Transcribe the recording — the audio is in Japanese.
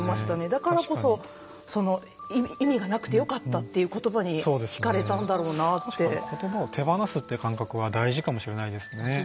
だからこそ意味がなくてよかったっていうことばに確かに言葉を手放すって感覚は大事かもしれないですね。